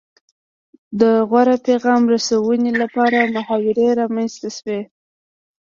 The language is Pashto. د غوره پیغام رسونې لپاره محاورې رامنځته شوې